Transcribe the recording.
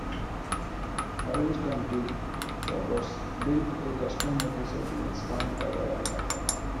Orange County Choppers built a custom motorcycle inspired by the ride and the park.